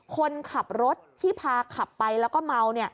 คนขับรถที่พาขับไปแล้วก็เมา